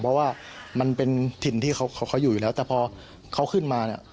เพราะว่ามันเป็นถิ่นที่เขาอยู่อยู่แล้วแต่พอเขาขึ้นมาเนี่ย